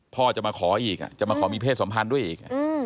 พ่อจะมาขออีกจะมาขอมีเพศสัมพันธ์ด้วยอีก